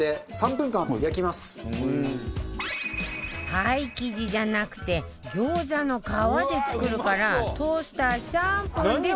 パイ生地じゃなくて餃子の皮で作るからトースター３分でオーケー